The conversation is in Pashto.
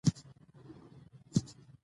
د هند په نهرو پوهنتون کې د خیتځو ژبو